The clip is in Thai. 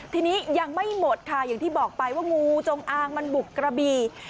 ทีนี้ยังไม่หมดค่ะอย่างที่บอกไปว่างูจงอางมันบุกกระบี่